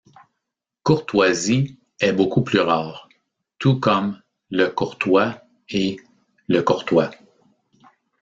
Courtoise est beaucoup plus rare, tout comme Le Courtois et Lecourtois.